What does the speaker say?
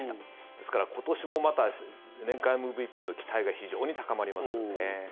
ですから、今年もまた年間ＭＶＰの期待が非常に高まりますよね。